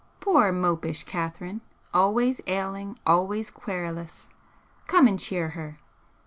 Poor mopish Catherine! always ailing, always querulous! Come and cheer her!"